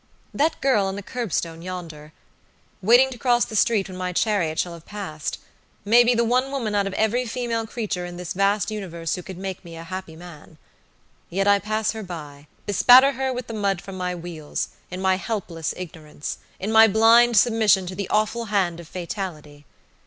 That girl on the curbstone yonder, waiting to cross the street when my chariot shall have passed, may be the one woman out of every female creature in this vast universe who could make me a happy man. Yet I pass her bybespatter her with the mud from my wheels, in my helpless ignorance, in my blind submission to the awful hand of fatality.